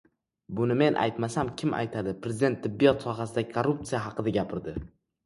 "Buni men aytmasam, kim aytadi?!" — Prezident tibbiyot sohasidagi korruptsiya haqida gapirdi